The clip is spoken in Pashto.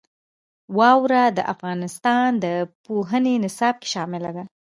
واوره د افغانستان د پوهنې نصاب کې شامل دي.